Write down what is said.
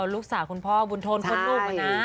ลูกสาวคุณพ่อบุญทนคดลูกนะ